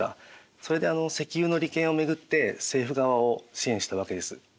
それで石油の利権をめぐって政府側を支援したわけです。